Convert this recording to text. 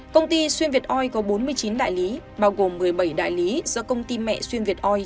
công ty xuyên việt oi có bốn mươi chín đại lý bao gồm một mươi bảy đại lý do công ty mẹ xuyên việt oi